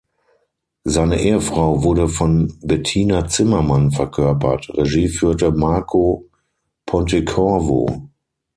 Seine Ehefrau wurde von Bettina Zimmermann verkörpert; Regie führte Marco Pontecorvo.